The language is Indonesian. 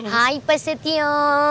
hai pak setio